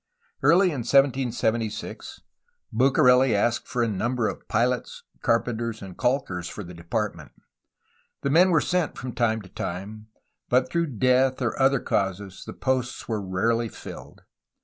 Early in 1776 Bucareli asked for a number of pilots, carpenters, and caulkers for the Department. The men were sent from time to time, but through death or other causes the posts were rarely filled.